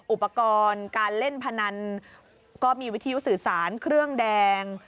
อุปกรณ์การเล่นพนันก็มีวิทยุสื่อสารเครื่องแดง